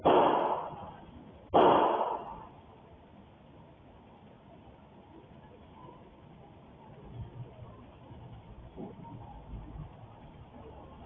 เฮ้ยรถน่ะ